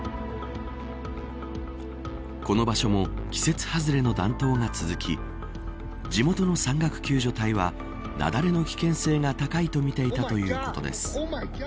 この場所も季節外れの暖冬が続き地元の山岳救助隊は雪崩の危険性が高いとみていたということです。